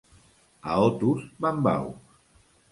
A Otos, bambaus.